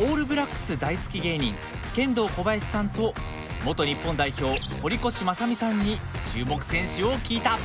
オールブラックス大好き芸人ケンドーコバヤシさんと元日本代表、堀越正己さんに注目選手を聞いた。